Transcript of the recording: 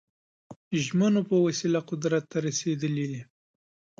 ژمنو په وسیله قدرت ته رسېدلي دي.